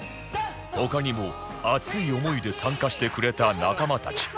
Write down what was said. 他にも熱い思いで参加してくれた仲間たち